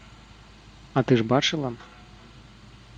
А ты ж бачыла?